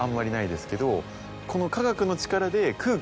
この化学の力で。